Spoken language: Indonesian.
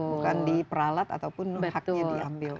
bukan diperalat ataupun haknya diambil